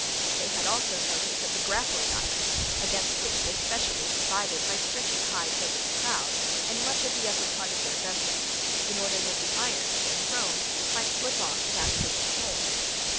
They had also notice of the grappling irons, against which they specially provided by stretching hides over the prows and much of the upper part of their vessels, in order that the irons when thrown might slip off without taking hold.